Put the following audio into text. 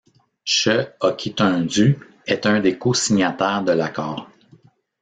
She Okitundu est un des co-signataires de l’accord.